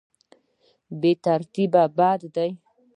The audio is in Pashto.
بې ترتیبي بد دی.